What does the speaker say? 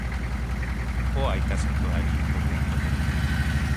Hoa aitasainduari ipurdian pot egitera!